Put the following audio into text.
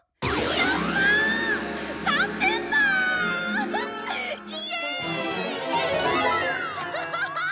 やったー！」